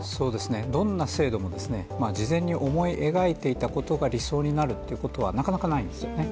どんな制度も、事前に思い描いていたことが理想になるということはなかなかないんですよね